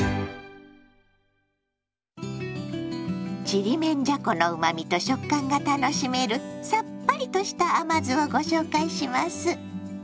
ちりめんじゃこのうまみと食感が楽しめるさっぱりとした甘酢をご紹介します。